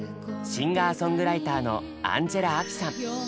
シンガーソングライターのアンジェラ・アキさん。